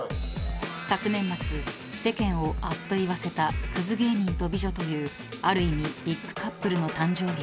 ［昨年末世間をあっと言わせたクズ芸人と美女というある意味ビッグカップルの誕生劇］